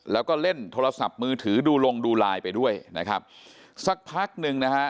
แล้วก็เล่นโทรศัพท์มือถือดูลงดูไลน์ไปด้วยนะครับสักพักหนึ่งนะฮะ